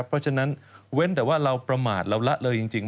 เพราะฉะนั้นเว้นแต่ว่าเราประมาทเราละเลยจริง